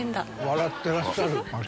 笑ってらっしゃる。